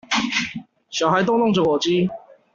小孩逗弄著火雞